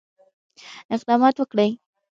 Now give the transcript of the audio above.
اقدامات وکړي.